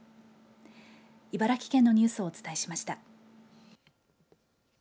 茨城県のニュースをお伝えしました。